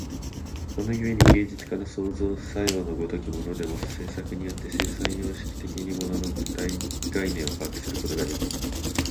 この故に芸術家の創造作用の如きものでも、制作によって生産様式的に物の具体概念を把握するということができる。